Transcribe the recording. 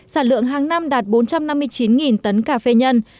sản lượng hàng năm đạt bốn trăm năm mươi chín tấn cà phê nhân